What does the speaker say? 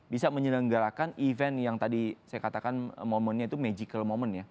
bisa menyelenggarakan event yang tadi saya katakan momennya itu magical moment ya